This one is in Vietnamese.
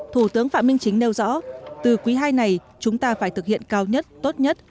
thủ tướng phạm minh chính nêu rõ từ quý ii này chúng ta phải thực hiện cao nhất tốt nhất